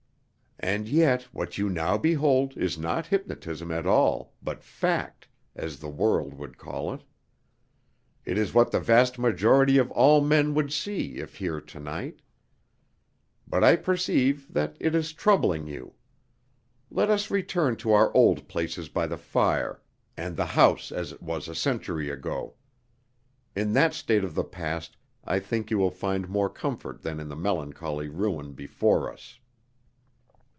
"And yet what you now behold is not hypnotism at all, but fact, as the world would call it. It is what the vast majority of all men would see if here to night. But I perceive that it is troubling you. Let us return to our old place by the fire, and the house as it was a century ago. In that state of the past I think you will find more comfort than in the melancholy ruin before us."